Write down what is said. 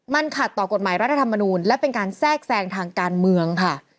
มันขัดต่อกฎหมายรัฐธรรมนูลและเป็นการแทรกแทรงทางการเมืองค่ะ